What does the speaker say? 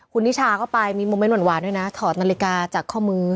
คุณนิชาก็ไปมีโมเมนต์หวานด้วยนะถอดนาฬิกาจากข้อมือ